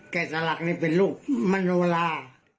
แก่ตระหลักนี่เป็นลูกมันโรลา